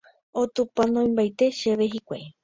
Otupanoimbaite chéve hikuái.